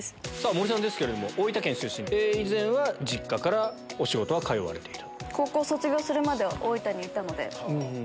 森さんですけれども大分県出身実家からお仕事は通われてた。